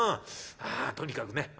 あとにかくね